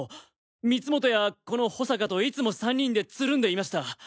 光本やこの保坂といつも３人でつるんでいました！